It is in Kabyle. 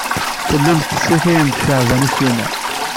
Tellamt tessakayemt-d Caɛban U Sliman.